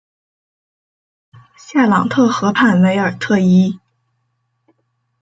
夏朗特河畔韦尔特伊。